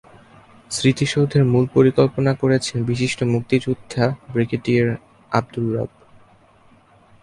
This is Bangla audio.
স্মৃতিসৌধের মূল পরিকল্পনা করছেন বিশিষ্ট মুক্তিযোদ্ধা ব্রিগেডিয়ার আবদুর রব।